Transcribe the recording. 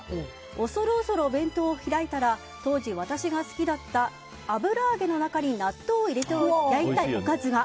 恐る恐るお弁当を開いたら当時、私が好きだった油揚げの中に納豆を入れて焼いたおかずが。